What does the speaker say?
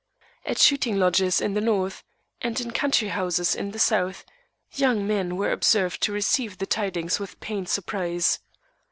At shooting lodges in the North, and in country houses in the South, young men were observed to receive the tidings with pained surprise.